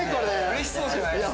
嬉しそうじゃないですか。